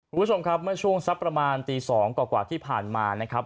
คุณผู้ชมครับเมื่อช่วงสักประมาณตี๒กว่าที่ผ่านมานะครับ